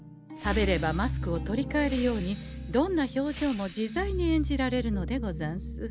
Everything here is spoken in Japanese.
食べればマスクを取りかえるようにどんな表情も自在に演じられるのでござんす。